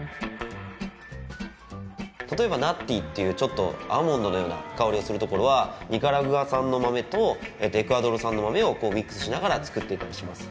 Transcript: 例えばナッティーというちょっとアーモンドのような香りがするところはニカラグア産の豆とエクアドル産の豆をミックスしながら作っていたりします。